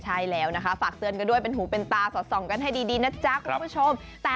ใช่แล้วนะคะฝากเตือนกันด้วยเป็นหูเป็นตาสอดส่องกันให้ดีนะจ๊ะคุณผู้ชม